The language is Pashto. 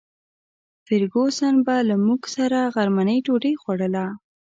فرګوسن به له موږ سره غرمنۍ ډوډۍ خوړله.